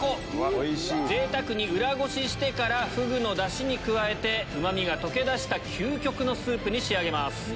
贅沢に裏ごししてからフグのダシに加えてうま味が溶け出した究極のスープに仕上げます。